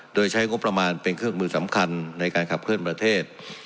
โดยใช้งบประมาณเป็นเครื่องมือสำคัญในการขับเคลื่อนประเทศ